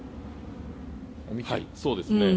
そうですね。